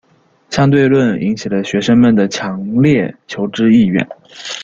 相对论引起了学生们的强烈求知意愿。